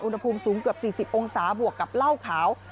อุณหภูมิสูงเกือบ๔๐องศาบวกกับเหล้าขาว